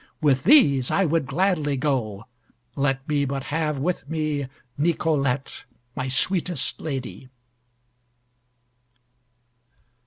With these I would gladly go, let me but have with me Nicolette, my sweetest lady."